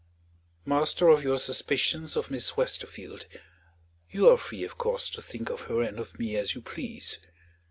"Master of your suspicions of Miss Westerfield. You are free, of course, to think of her and of me as you please.